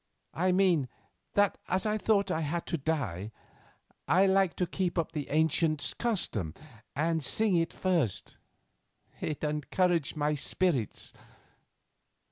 I mean, that as I thought I had to die, I liked to keep up the ancient custom and sing it first. It encouraged my spirits.